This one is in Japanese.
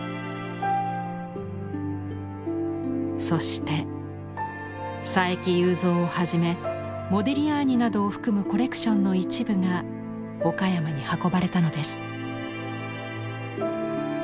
そして佐伯祐三をはじめモディリアーニなどを含むコレクションの一部が岡山に運ばれたのです。